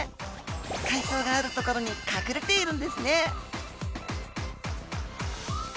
海藻がある所に隠れているんですね。